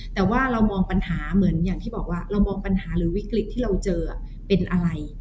แต่ว่าเรามองปัญหาเหมือนอย่างที่บอกว่าเรามองปัญหาหรือวิกฤตที่เราเจอเป็นอะไร